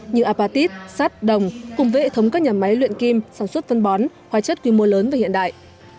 như apatit sát đồng cùng vệ thống các nhà máy luyện kim sản xuất phân bón hóa chất quy mô lớn và hiện đại